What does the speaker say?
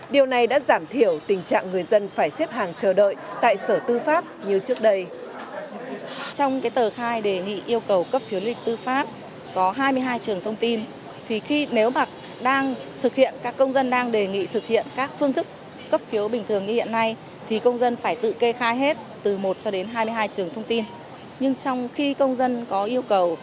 điều này đã giảm thiểu tình trạng người dân phải xếp hàng chờ đợi tại sở tư pháp như trước đây